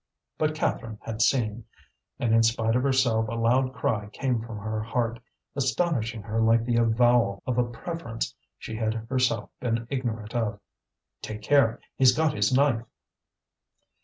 But Catherine had seen; and in spite of herself a loud cry came from her heart, astonishing her like the avowal of a preference she had herself been ignorant of: "Take care! he's got his knife!"